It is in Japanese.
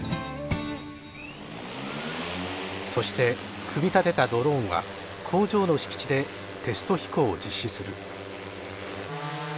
そして組み立てたドローンは工場の敷地でテスト飛行を実施する。